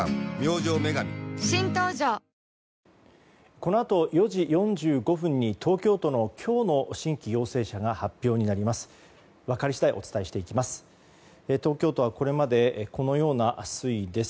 このあと４時４５分に東京都の今日の新規陽性者が発表になります。